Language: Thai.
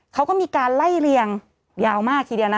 เขาก็มีการไล่เลียงยาวมากทีเดียวนะ